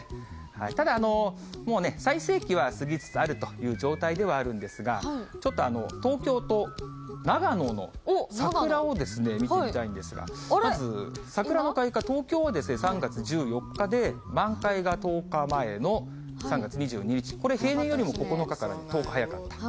ただ、もうね、最盛期は過ぎつつあるという状態ではあるんですが、ちょっと東京と長野の桜をですね、見てみたいんですが、まず、桜の開花、東京はですね、３月１４日で、満開が１０日前の３月２２日、これ、平年よりも９日から１０日早かった。